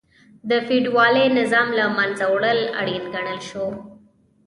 د فیوډالي نظام له منځه وړل اړین وګڼل شو.